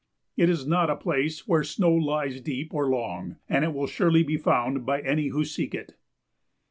It is not a place where snow lies deep or long, and it will surely be found by any who seek it.